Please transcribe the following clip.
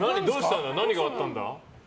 何があったんだ？